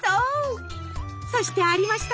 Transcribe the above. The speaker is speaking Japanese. そしてありました！